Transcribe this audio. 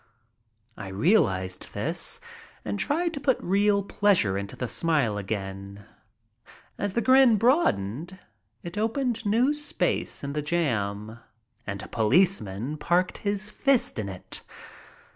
I realized this and tried to put real pleasure into the smile again. As the grin broadened it opened new space in the jam and a policeman parked his fist in it.